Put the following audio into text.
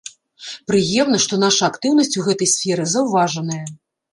Прыемна, што наша актыўнасць у гэтай сферы заўважаная.